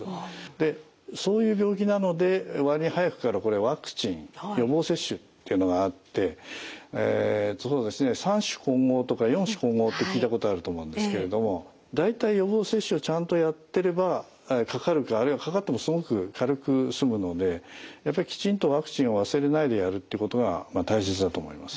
でそういう病気なので割に早くからこれワクチン予防接種っていうのがあってそうですね三種混合とか四種混合って聞いたことあると思うんですけれども大体予防接種をちゃんとやってればかかるかあるいはかかってもすごく軽く済むのでやっぱりきちんとワクチンを忘れないでやるってことが大切だと思います。